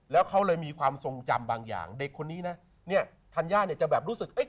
แล้วเขาเลยมีความทรงจำบางอย่างเด็กคนนี้นะเนี่ยธัญญาเนี่ยจะแบบรู้สึกเอ้ย